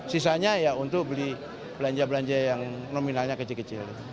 sisanya ya untuk beli belanja belanja yang nominalnya kecil kecil